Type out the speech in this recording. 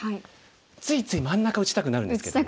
ついつい真ん中打ちたくなるんですけども。